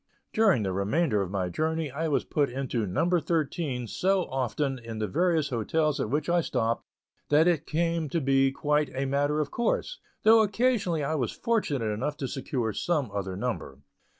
During the remainder of my journey, I was put into "number thirteen" so often in the various hotels at which I stopped that it came to be quite a matter of course, though occasionally I was fortunate enough to secure some other number.